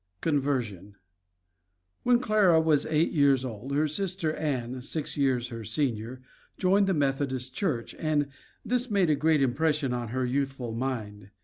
CONVERSION When Clara was eight years old her sister Ann, six years her senior, joined the Methodist Church, and this made a great impression on her youthful mind.